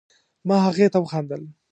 ما هغې ته وخندل